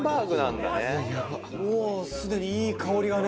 「もうすでにいい香りがね」